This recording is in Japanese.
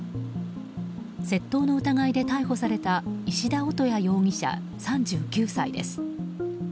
窃盗の疑いで逮捕された石田男也容疑者、３９歳です。